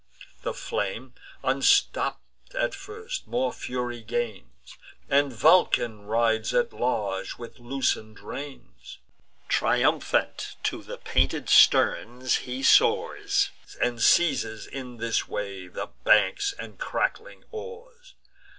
The flame, unstopp'd at first, more fury gains, And Vulcan rides at large with loosen'd reins: Triumphant to the painted sterns he soars, And seizes, in this way, the banks and crackling oars.